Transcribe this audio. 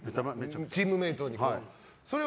チームメートに。